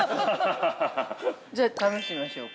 ◆じゃあ、試してみましょうか。